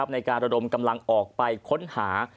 ในการระดมกำลังออกไปค้นหา